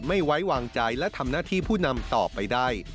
ไม่ไว้วางใจและทำหน้าที่ผู้นำต่อไปได้